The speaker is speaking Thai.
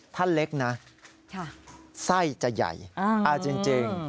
ถ้าเล็กนะไส้จะใหญ่เอาจริง